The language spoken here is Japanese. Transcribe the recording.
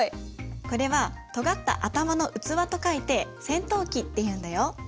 これは尖った頭の器と書いて尖頭器っていうんだよ。